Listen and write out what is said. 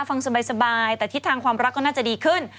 ฟังสบายแต่ทิศทางความรักก็น่าจะดีขึ้น